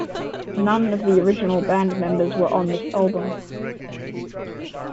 None of the original band members were on this album.